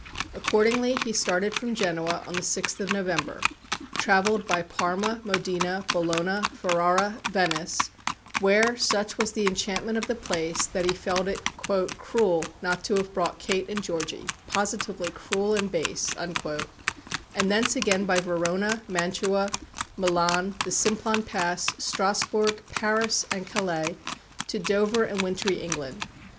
Accordingly he started from Genoa on the 6th of November, travelled by Parma, Modena, Bologna, Ferrara, Venice where, such was the enchantment of the place, that he felt it "cruel not to have brought Kate and Georgy, positively cruel and base"; and thence again by Verona, Mantua, Milan, the Simplon Pass, Strasbourg, Paris, and Calais, to Dover, and wintry England.